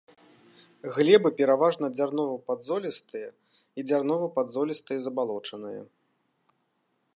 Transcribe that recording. Глебы пераважна дзярнова-падзолістыя і дзярнова-падзолістыя забалочаныя.